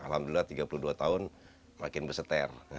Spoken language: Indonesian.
alhamdulillah tiga puluh dua tahun makin berseter